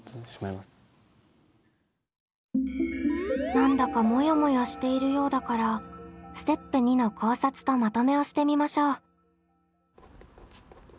何だかモヤモヤしているようだからステップ２の考察とまとめをしてみましょう。